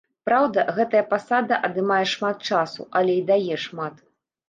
Праўда, гэтая пасада адымае шмат часу, але і дае шмат.